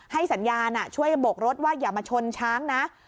สัญญาณช่วยโบกรถว่าอย่ามาชนช้างนะ